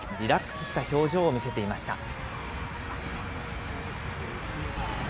リラックスした表情を見せていました。